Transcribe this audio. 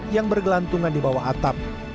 yang bergelantungan di bawah atap